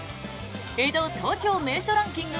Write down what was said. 江戸・東京名所ランキング